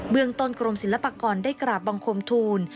เมืองต้นกรมศิลปากรได้กราบบังคมทูล